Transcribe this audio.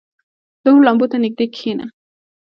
• د اور لمبو ته نږدې کښېنه.